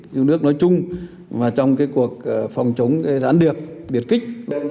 chống nước nói chung và trong cái cuộc phòng chống gián điệp biệt kích